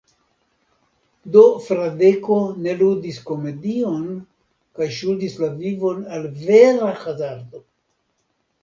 Do Fradeko ne ludis komedion, kaj ŝuldis la vivon al vera hazardo.